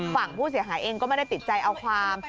ฝั่งผู้เสียหายเองก็ไม่ได้ติดใจเอาความ